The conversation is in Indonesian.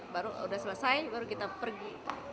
baru sudah selesai baru kita pergi